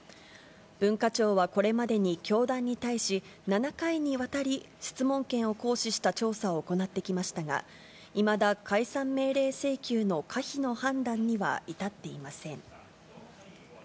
文化庁はこれまでに教団に対し、７回にわたり質問権を行使した調査を行ってきましたが、いまだ解散命令請求の可否の判断には至っていません。